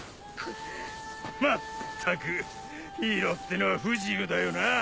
まったくヒーローってのは不自由だよなぁ。